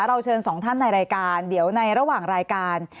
เราเชิญสองท่านในรายการเดี๋ยวในระหว่างรายการ